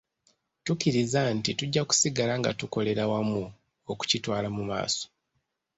Tukkiriza nti tujja kusigala nga tukolera wamu okukitwala mu maaso .